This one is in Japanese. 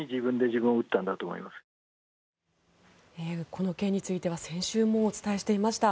この件については先週もお伝えしていました。